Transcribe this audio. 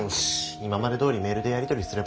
今までどおりメールでやり取りすればいいから。